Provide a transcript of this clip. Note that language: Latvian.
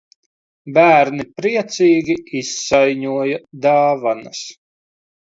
Bērni priecīgi izsaiņoja dāvanas.